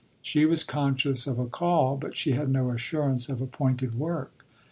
She was conscious of a call, but she had no assurance of appointed work.